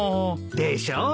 でしょ。